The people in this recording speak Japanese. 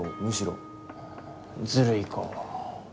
ずるいか。